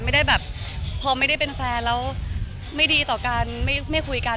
ไม่ได้แบบพอไม่ได้เป็นแฟนแล้วไม่ดีต่อกันไม่คุยกัน